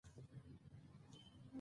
ژوند همېشه په خوښۍ سره تېروئ!